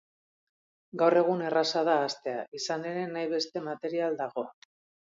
Gaur egun erraza da hastea, izan ere, nahi beste material dago.